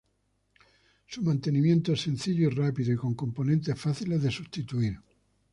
Su mantenimiento es sencillo y rápido y con componentes fáciles de sustituir.